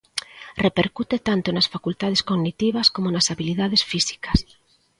Repercute tanto nas facultades cognitivas coma nas habilidades físicas.